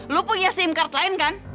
lu punya sim card lain kan